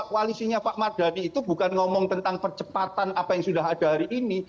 koalisinya pak mardhani itu bukan ngomong tentang percepatan apa yang sudah ada hari ini